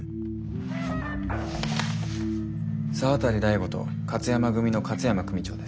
沢渡大吾と勝山組の勝山組長です。